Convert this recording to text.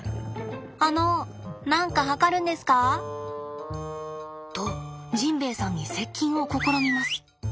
あの何か測るんですか？とジンベエさんに接近を試みます。